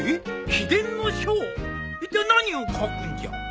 いったい何を書くんじゃ？